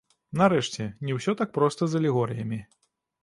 Нарэшце, не ўсё так проста з алегорыямі.